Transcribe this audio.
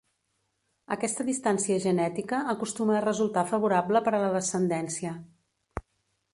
Aquesta distància genètica acostuma a resultar favorable per a la descendència.